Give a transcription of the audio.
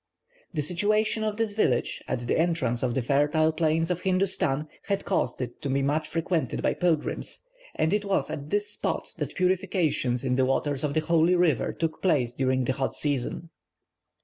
The situation of this village, at the entrance of the fertile plains of Hindustan, had caused it to be much frequented by pilgrims, and it was at this spot that purifications in the waters of the holy river took place during the hot season.